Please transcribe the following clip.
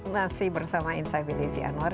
terima kasih bersama insar gideisy anwar